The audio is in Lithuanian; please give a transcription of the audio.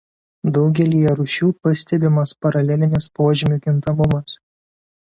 Daugelyje rūšių pastebimas paralelinis požymių kintamumas.